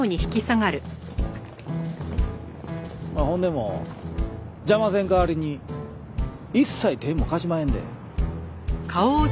ほんでも邪魔せん代わりに一切手も貸しまへんで。